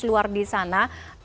luar di sana